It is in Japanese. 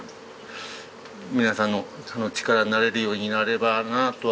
皆さんの力になれるようになればなとは思っております。